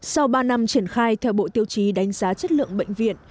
sau ba năm triển khai theo bộ tiêu chí đánh giá chất lượng bệnh viện